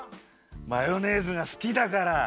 マヨネーズがすきだから。